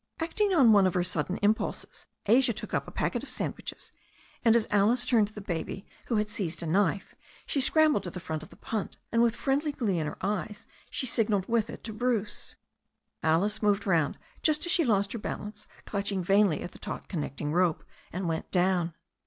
Acting on one of her sudden impulses, Asia took up a i8 THE STORY OF A NEW ZEALAND RIVER packet of sandwiches, and as Alice turned to the baby, who had seized a knife, she scrambled to the front of the punt, and with friendly glee in her eyes she signalled with it to Bruce. Alice moved round just as she lost her balance, clutched vainly at the taut connecting rope, and went down.